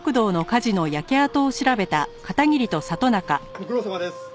ご苦労さまです。